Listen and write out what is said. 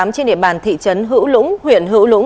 trên địa bàn thị trấn hữu lũng huyện hữu lũng